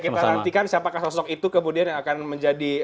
kita nantikan siapakah sosok itu kemudian yang akan menjadi